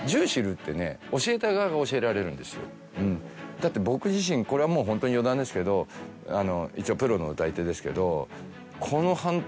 だって僕自身これはもうホントに余談ですけど一応プロの歌い手ですけど。